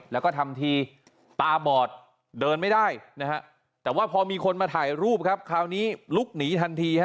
แล้วก็ทำทีตาบอดเดินไม่ได้นะฮะแต่ว่าพอมีคนมาถ่ายรูปครับคราวนี้ลุกหนีทันทีฮะ